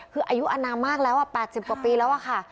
คืออายุอันนานมากแล้วอ่ะแปดสิบกว่าปีแล้วอ่ะค่ะ